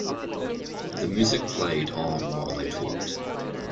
The music played on while they talked.